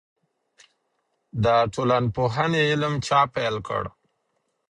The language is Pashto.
د ټولنپوهنې علم چا پیل کړ؟